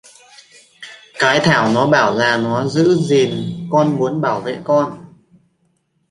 Cái Thảo nó bảo là nó giữ gìn Con muốn bảo vệ con